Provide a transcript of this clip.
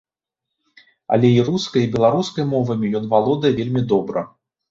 Але і рускай, і беларускай мовамі ён валодае вельмі добра.